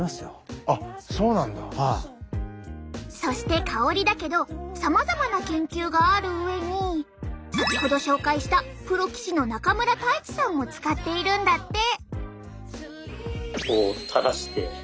そして香りだけどさまざまな研究がある上に先ほど紹介したプロ棋士の中村太地さんも使っているんだって！